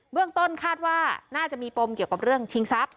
เรื่องต้นคาดว่าน่าจะมีปมเกี่ยวกับเรื่องชิงทรัพย